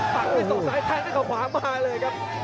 ตักด้วยข่าวซ้ายแทนด้วยข่าวขวามาเลยครับ